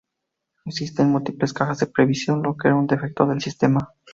Existían múltiples cajas de Previsión lo que era un defecto del sistema.